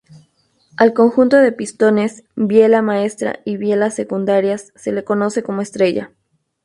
Al conjunto de pistones, biela maestra y bielas secundarias se le conoce como estrella.